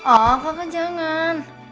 oh kakak jangan